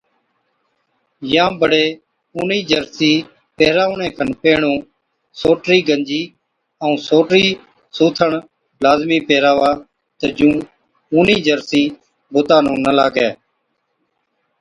يان بڙي اُونِي جرسِي پيهراوڻي کن پيهڻُون سوٽرِي گنجِي ائُون سوٽرِي سُوٿڻ لازمِي پيهراوا تہ جُون اُونِي جرسِي بُتا نُون نہ لاگَي۔